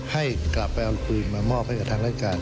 ให้กลับไปเอาปืนมามอบให้กับทางรายการ